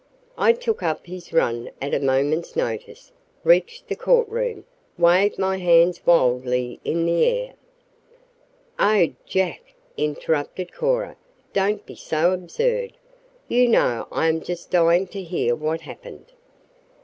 I took up his run at a moment's notice, reached the courtroom, waved my hands wildly in the air " "Oh, Jack!" interrupted Cora; "don't be so absurd. You know I am just dying to hear what happened."